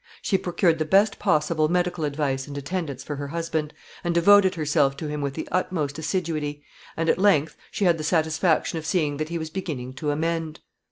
She procured the best possible medical advice and attendance for her husband, and devoted herself to him with the utmost assiduity, and, at length, she had the satisfaction of seeing that he was beginning to amend.